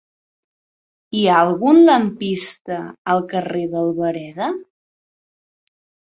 Hi ha algun lampista al carrer d'Albareda?